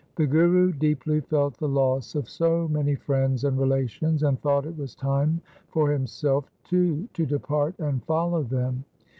1 The Guru deeply felt the loss of so many friends and relations, and thought it was time for himself, too, to depart and follow them.